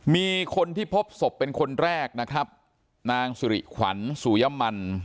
มีคนที่พบศพเป็นคนแรกนะครับนางสิริขวัญสุยมัน